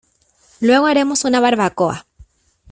Luego haremos una barbacoa.